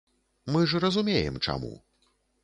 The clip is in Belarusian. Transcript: Мы ж разумеем, чаму.